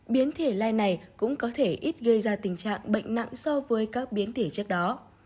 biến thể lai này cũng có thể ít gây ra tình trạng bệnh nặng so với các biến thể trước đó